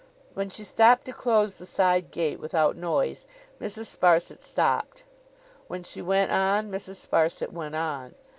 When she stopped to close the side gate without noise, Mrs. Sparsit stopped. When she went on, Mrs. Sparsit went on.